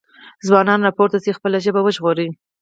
ځوانانو راپورته شئ خپله ژبه وژغورئ۔